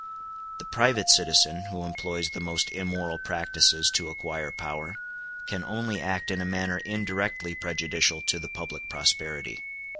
The private citizen, who employs the most immoral practices to acquire power, can only act in a manner indirectly prejudicial to the public prosperity.